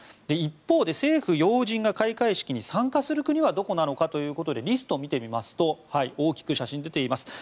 一方で政府要人が開会式に参加する国はどこなのかということでリストを見てみますと大きく写真が出ています。